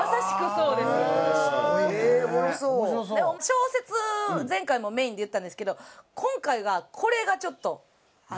小説前回もメインで言ったんですけど今回がこれがちょっとオススメ。